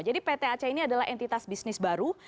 jadi pt aceh ini adalah entitas bisnis baru